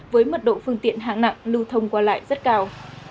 với mật độ phương tiện hạng nặng lưu thông qua lại rất cao